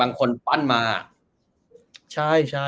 บางคนปั้นมา